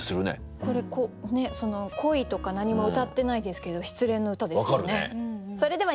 これ恋とか何もうたってないですけど失恋の歌ですよね。